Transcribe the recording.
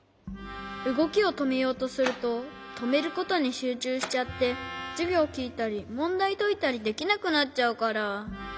うごきをとめようとするととめることにしゅうちゅうしちゃってじゅぎょうきいたりもんだいといたりできなくなっちゃうから。